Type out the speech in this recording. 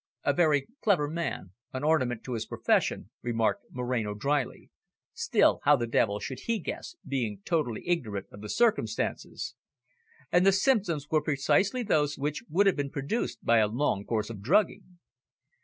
"A very clever man, an ornament to his profession," remarked Moreno drily. "Still, how the devil should he guess, being totally ignorant of the circumstances? And the symptoms were precisely those which would have been produced by a long course of drugging."